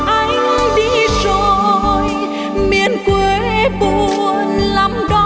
anh đi rồi miền quê buồn lắm đó